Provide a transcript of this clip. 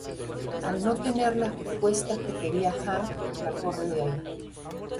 Al no tener las respuestas que quería Hank la corre de ahí.